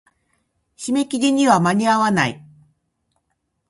締め切りに間に合わない。